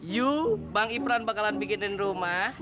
yuk bang ipran bakalan bikinin rumah